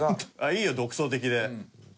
いいよ独創的で。